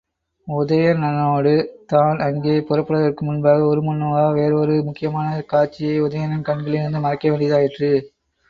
உதயணனோடு தான் அங்கே புறப்படுவதற்கு முன்பாக, உருமண்ணுவா வேறு ஒரு முக்கியமான காட்சியை உதயணன் கண்களிலிருந்து மறைக்க வேண்டியதாயிற்று.